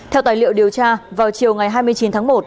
theo tài liệu điều tra vào chiều ngày hai mươi chín tháng một